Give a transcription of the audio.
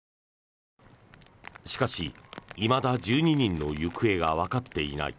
しかし、いまだ１２人の行方がわかっていない。